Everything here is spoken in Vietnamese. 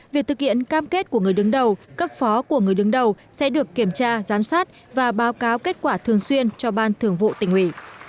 việc thực hiện cam kết của người đứng đầu cấp phó của người đứng đầu sẽ được kiểm tra giám sát và báo cáo kết quả thường xuyên cho ban thường vụ tỉnh ủy